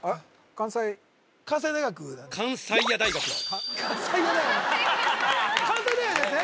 関西大学ですね？